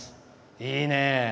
いいね！